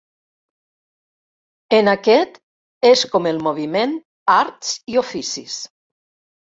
En aquest és com el moviment Arts i oficis.